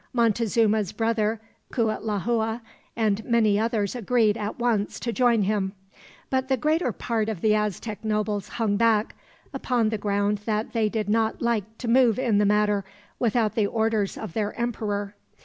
Montezuma's brother Cuitlahua and many others agreed, at once, to join him; but the greater part of the Aztec nobles hung back, upon the ground that they did not like to move in the matter, without the orders of their emperor.